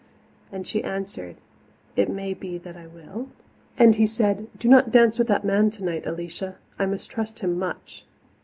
And she answered, "It may be that I will." And he said, "Do not dance with that man tonight, Alicia. I mistrust him much."